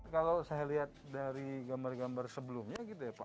kalau saya lihat dari gambar gambar sebelumnya